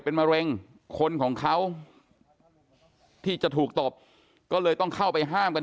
เป็นมะเร็งคนของเขาที่จะถูกตบก็เลยต้องเข้าไปห้ามกัน